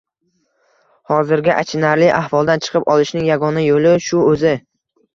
Hozirgi achinarli ahvoldan chiqib olishning yagona yo‘li shu o‘zi.